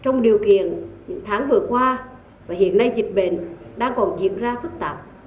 những tháng vừa qua và hiện nay dịch bệnh đang còn diễn ra phức tạp